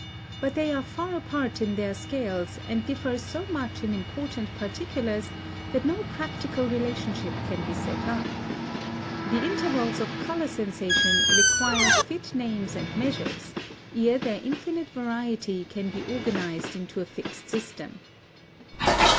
But they are far apart in their scales, and differ so much in important particulars that no practical relationship can be set up. The intervals of color sensation require fit names and measures, ere their infinite variety can be organized into a fixed system.